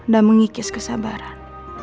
dan mengikis kesabaran